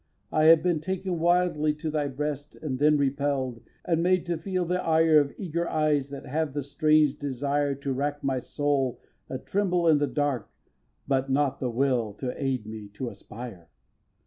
I have been taken wildly to thy breast, And then repell'd, and made to feel the ire Of eager eyes that have the strange desire To rack my soul, a tremble in the dark, But not the will to aid me to aspire.